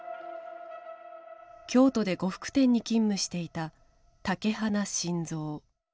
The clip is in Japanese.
京都で呉服店に勤務していた竹鼻信三。